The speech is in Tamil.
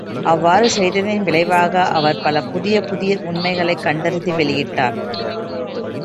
அவ்வாறு செய்ததின் விளைவாக, அவர் பல புதிய புதிய உண்மைகளைக் கண்டறிந்து வெளியிட்டார்.